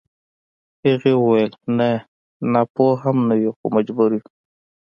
هغې وويل نه ناپوهه هم نه يو خو مجبور يو.